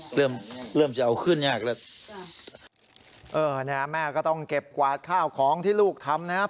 เริ่มเริ่มจะเอาขึ้นยากแล้วเออเนี่ยแม่ก็ต้องเก็บกวาดข้าวของที่ลูกทำนะครับ